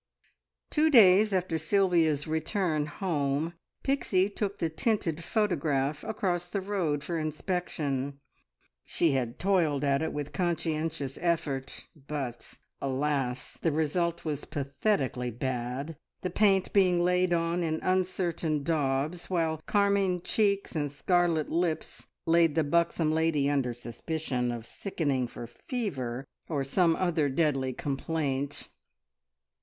Two days after Sylvia's return home, Pixie took the tinted photograph across the road for inspection. She had toiled at it with conscientious effort, but, alas! the result was pathetically bad, the paint being laid on in uncertain daubs, while carmine cheeks and scarlet lips laid the buxom lady under suspicion of sickening for fever or some other deadly complaint.